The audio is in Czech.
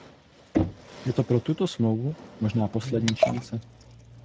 Je to pro tuto smlouvu možná poslední šance.